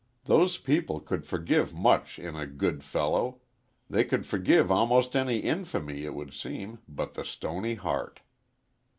Those people could forgive much in "a good fellow" they could forgive almost any infamy, it would seem, but the stony heart.